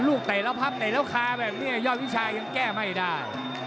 ลูกเตะแล้วผับเตะแล้วค่ะย่อวิชายังแก้ไม่ได้